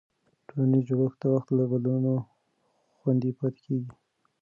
ټولنیز جوړښت د وخت له بدلونونو نه خوندي پاتې کېږي.